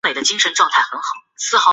有经赫罗纳延伸至法国的计划。